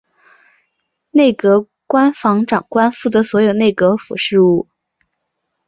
内阁官房长官负责所有内阁府事务。